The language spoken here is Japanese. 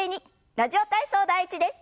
「ラジオ体操第１」です。